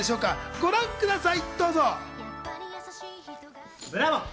ご覧ください。